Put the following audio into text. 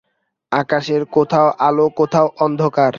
আকাশের কোথাও আলো কোথাও অন্ধকার।